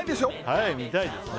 はい見たいですね